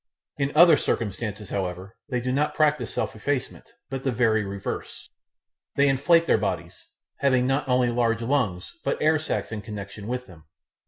In other circumstances, however, they do not practise self effacement, but the very reverse. They inflate their bodies, having not only large lungs, but air sacs in connection with them.